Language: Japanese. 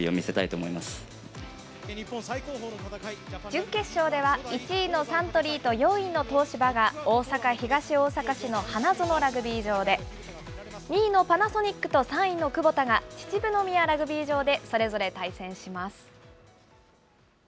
準決勝では、１位のサントリーと４位の東芝が大阪・東大阪市の花園ラグビー場で、２位のパナソニックと３位のクボタが秩父宮ラグビー場でそれぞれ対戦します。